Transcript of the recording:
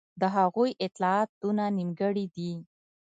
د هغوی اطلاعات دونه نیمګړي دي.